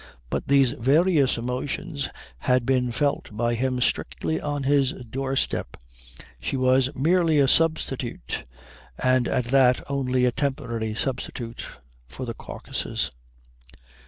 But these various emotions had been felt by him strictly on his doorstep. She was merely a substitute, and at that only a temporary substitute, for the Caucasus.